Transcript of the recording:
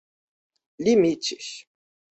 limites